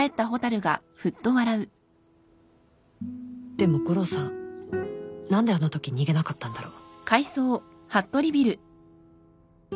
でも悟郎さん何であのとき逃げなかったんだろ